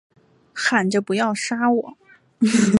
喊着不要杀我